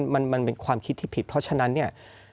มันเป็นความคิดที่ผิดเพราะฉะนั้นเนี่ย